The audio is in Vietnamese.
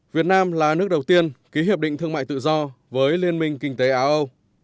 việt nam là nước đầu tiên ký hiệp định thương mại tự do với liên minh kinh tế á âu